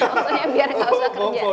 maksudnya biar gak usah kerja